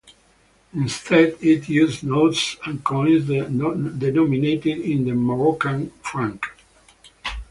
Instead, it issued notes and coins denominated in the Moroccan franc.